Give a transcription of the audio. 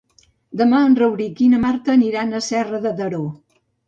Demà en Rauric i na Marta aniran a Serra de Daró.